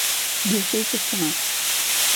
Bir şey çıktı mı?